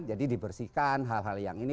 jadi dibersihkan hal hal yang ini